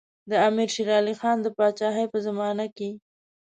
د امیر شېر علي خان د پاچاهۍ په زمانه کې.